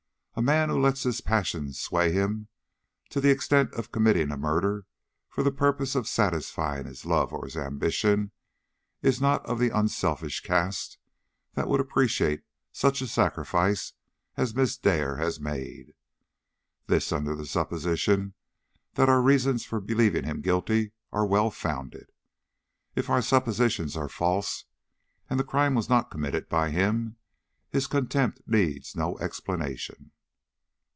A man who lets his passions sway him to the extent of committing a murder for the purpose of satisfying his love or his ambition, is not of the unselfish cast that would appreciate such a sacrifice as Miss Dare has made. This under the supposition that our reasons for believing him guilty are well founded. If our suppositions are false, and the crime was not committed by him, his contempt needs no explanation."